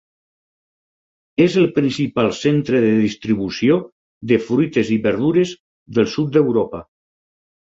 És el principal centre de distribució de fruites i verdures del sud d'Europa.